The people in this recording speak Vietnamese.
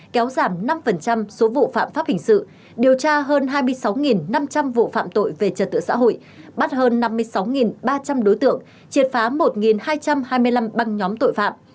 kéo giảm năm số vụ phạm pháp hình sự điều tra hơn hai mươi sáu năm trăm linh vụ phạm tội về trật tự xã hội bắt hơn năm mươi sáu ba trăm linh đối tượng triệt phá một hai trăm hai mươi năm băng nhóm tội phạm